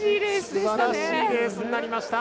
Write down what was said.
すばらしいレースになりました。